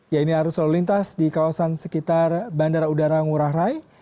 ya ini arus lalu lintas di kawasan sekitar bandara udara ngurah rai